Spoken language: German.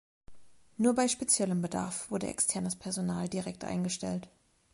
Nur bei speziellem Bedarf wurde externes Personal direkt eingestellt.